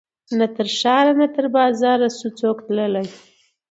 نه تر ښار نه تر بازاره سو څوک تللای